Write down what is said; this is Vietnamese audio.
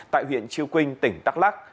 tại huyện triệu quynh tỉnh đắk lắc